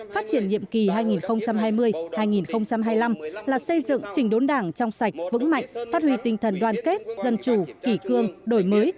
phát triển nhiệm kỳ hai nghìn hai mươi hai nghìn hai mươi năm là xây dựng trình đốn đảng trong sạch vững mạnh phát huy tinh thần đoàn kết dân chủ kỷ cương đổi mới